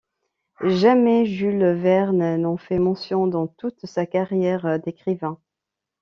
Jamais Jules Verne n'en fait mention dans toute sa carrière d'écrivain.